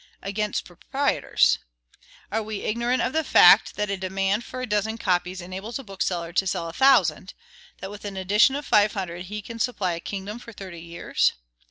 Against proprietors. Are we ignorant of the fact, that a demand for a dozen copies enables a bookseller to sell a thousand; that with an edition of five hundred he can supply a kingdom for thirty years?